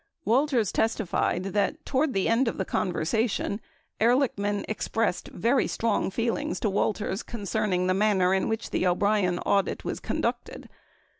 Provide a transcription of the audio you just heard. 25 Walters testified that toward the end of the conversation, Ehrlich man expressed very strong feelings to Walters concerning the manner in which the O'Brien audit was conducted.